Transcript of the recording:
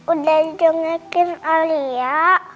udah nyengakin alia